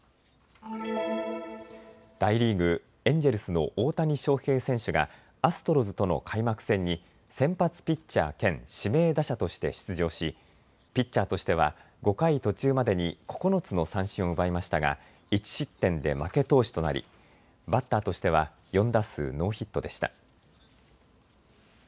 大リーグ、エンジェルスの大谷翔平選手がアストロズとの開幕戦に先発ピッチャー兼、指名打者として出場しピッチャーとしては５回途中までに９つの三振を奪いましたが１失点で負け投手となりバッターとしては４打数ノーヒットでした。